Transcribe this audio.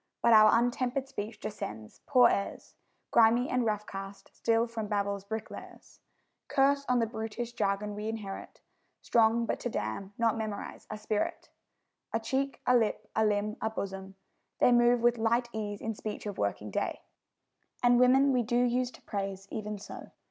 But our untempered speech descends poor heirs! Grimy and rough cast still from Babel's bricklayers: Curse on the brutish jargon we inherit, Strong but to damn, not memorise, a spirit! A cheek, a lip, a limb, a bosom, they Move with light ease in speech of working day; And women we do use to praise even so.